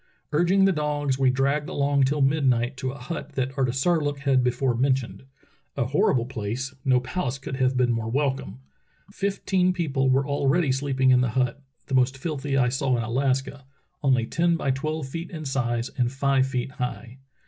Urging the dogs, we dragged along till midnight to a hut that Artisarlook had before mentioned. A horrible place, no palace could have been more welcome. Fifteen peo ple were already sleeping in the hut, the most filthy Relief of American Whalers at Point Barrow 287 I saw in Alaska, only ten by twelve feet in size and five feet high.